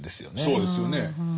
そうですよね。